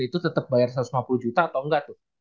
itu tetap bayar satu ratus lima puluh juta atau enggak tuh